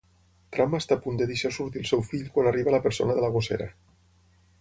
Tramp està a punt de deixar sortir el seu fill quan arriba la persona de la gossera.